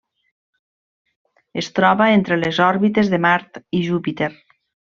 Es troba entre les òrbites de Mart i Júpiter.